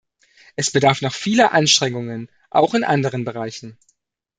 Es bedarf noch vieler Anstrengungen auch in anderen Bereichen.